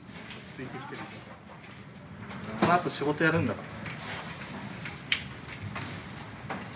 このあと仕事やるんだから。